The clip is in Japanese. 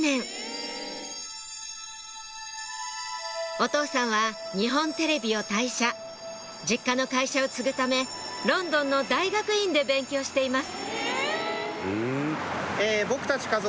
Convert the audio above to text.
お父さんは日本テレビを退社実家の会社を継ぐためロンドンの大学院で勉強しています